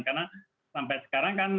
karena sampai sekarang kan